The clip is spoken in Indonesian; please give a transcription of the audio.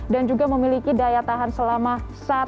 dan juga memiliki daya tahan selama satu tahun tanpa harus diisi ulang